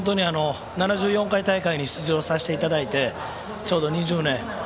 ７４回大会に出場させていただいてちょうど２０年。